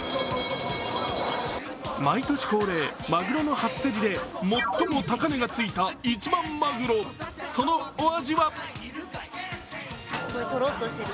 毎年恒例、マグロの初競りで、最も高値がついた一番マグロ、そのお味は？